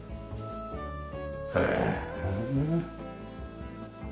へえ。